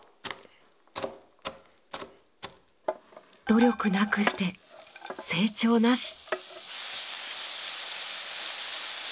努力なくして成長なし。